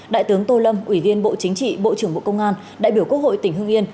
đại tướng tô lâm ủy viên bộ chính trị bộ trưởng bộ công an đại biểu quốc hội tỉnh hương yên